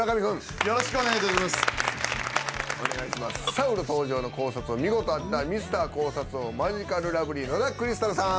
サウロ登場の考察を見事当てたミスター考察王マヂカルラブリー野田クリスタルさん。